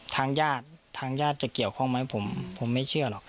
ทางญาติทางญาติจะเกี่ยวข้องไหมผมไม่เชื่อหรอก